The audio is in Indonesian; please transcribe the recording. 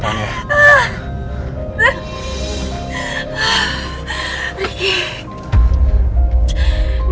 tahan ya tahan ya